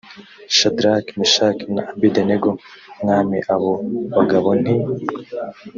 shadaraki meshaki na abedenego mwami abo bagabo nti